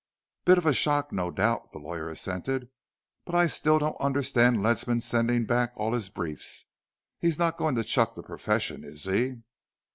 "Bit of a shock, no doubt," the lawyer assented, "but I still don't understand Ledsam's sending back all his briefs. He's not going to chuck the profession, is he?"